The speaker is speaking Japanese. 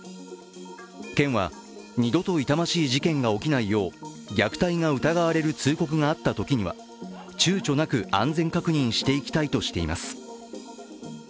県は二度と痛ましい事件が起きないよう虐待が疑われる通告があったときにはちゅうちょなく安全確認していきたいとしています。